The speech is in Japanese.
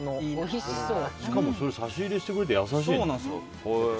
しかも差し入れしてくれるって優しいね。